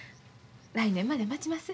来年まで待ちます。